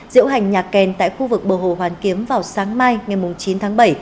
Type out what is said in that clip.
diễu hành nhà kèn tại khu vực bờ hồ hoàn kiếm vào sáng mai ngày chín tháng bảy